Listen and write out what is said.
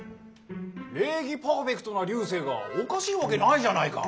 礼儀パーフェクトな流星がおかしいわけないじゃないか。